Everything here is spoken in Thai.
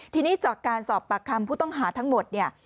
ทีนี้จากการสอบปากคำผู้ต้องหาทั้งหมดเนี่ย